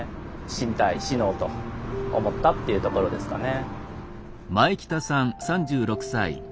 死にたい死のうと思ったっていうところですかね。